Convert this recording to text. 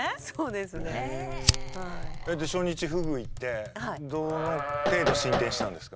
で初日フグ行ってどの程度進展したんですか？